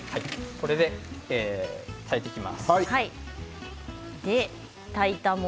これで炊いていきます。